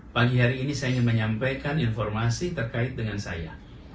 pagi hari ini saya ingin menyampaikan informasi terkait dengan saya